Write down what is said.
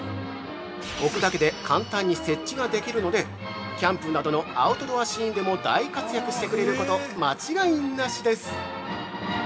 置くだけで簡単に設置ができるのでキャンプなどのアウトドアシーンでも大活躍してくれること間違いなしです。